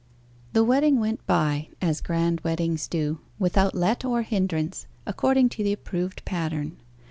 The wedding went by, as grand weddings do, without let or hindrance, according to the approved pattern.